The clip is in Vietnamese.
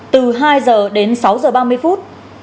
từ hai h đến sáu h ba mươi phút